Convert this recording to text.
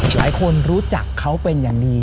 หลายคนรู้จักเขาเป็นอย่างดี